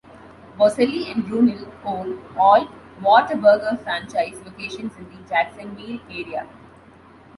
Boselli and Brunell own all Whataburger franchise locations in the Jacksonville area.